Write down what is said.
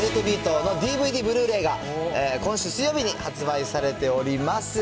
ＢＥＡＴのＤＶＤ、ブルーレイが今週水曜日に発売されております。